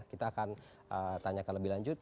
kita akan tanyakan lebih lanjut